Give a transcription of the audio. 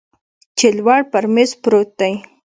چې لوړ پر میز پروت دی